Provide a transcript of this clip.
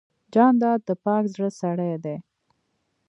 جانداد د پاک زړه سړی دی.